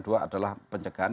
dua adalah pencegahan